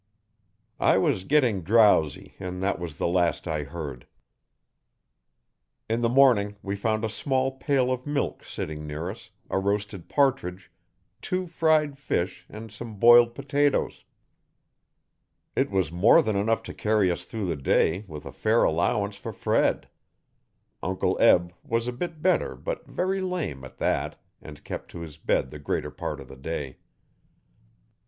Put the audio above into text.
I was getting drowsy and that was the last I heard. In the morning we found a small pail of milk sitting near us, a roasted partridge, two fried fish and some boiled potatoes. It was more than enough to carry us through the day with a fair allowance for Fred. Uncle Eb was a bit better but very lame at that and kept to his bed the greater part of the day.